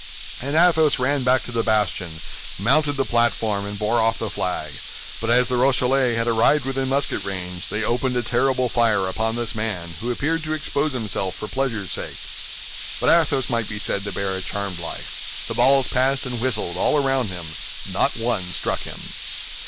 And Athos ran back to the bastion, mounted the platform, and bore off the flag; but as the Rochellais had arrived within musket range, they opened a terrible fire upon this man, who appeared to expose himself for pleasure's sake. But Athos might be said to bear a charmed life. The balls passed and whistled all around him; not one struck him.